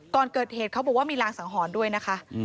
ก่อนเกิดเหตุเขาบอกว่ามีรางสังหรณ์ด้วยนะคะ